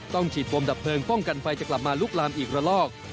ฉีดโฟมดับเพลิงป้องกันไฟจะกลับมาลุกลามอีกระลอก